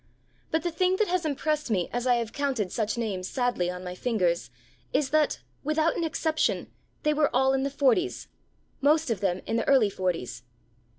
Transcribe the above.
But the thing that has impressed me as I have counted such names sadly on my fingers is that, without an exception, they were all in the forties, most of them in the early forties.